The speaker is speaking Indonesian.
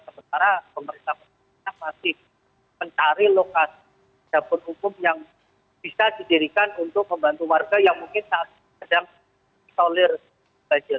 sementara pemerintah pemerintah masih mencari lokas dan pun hukum yang bisa didirikan untuk membantu warga yang mungkin sedang isolir banjir